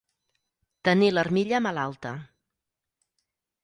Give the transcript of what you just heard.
Tenir l'armilla malalta.